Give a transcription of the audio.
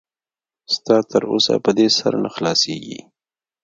ستا تر اوسه په دې سر نه خلاصېږي.